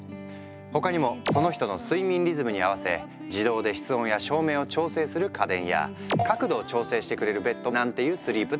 他にもその人の睡眠リズムに合わせ自動で室温や照明を調整する家電や角度を調整してくれるベッドなんていうスリープテックも。